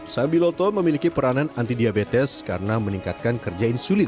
sabiloto memiliki peranan anti diabetes karena meningkatkan kerja insulin